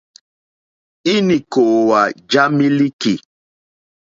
Ínì kòòwà já mílíkì.